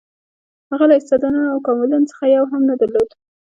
هغه له استعدادونو او کمالونو څخه یو هم نه درلود.